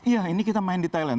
iya ini kita main di thailand